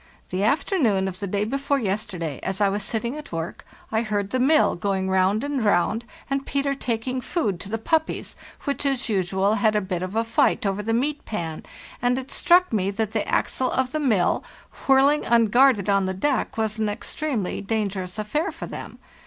The afternoon of the day before yesterday, as I was sitting at work, I heard the mill go ing round and round, and Peter taking food to the puppies, which, as usual, had a bit of a fight over the meat pan ; and it struck me that the axle of the mill whirl 'ing unguarded on the deck was an extremely dangerous affair for them.